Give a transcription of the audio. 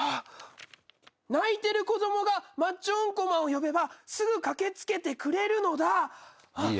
「泣いてる子供がマッチョウンコマンを呼べばすぐ駆け付けてくれるのだ」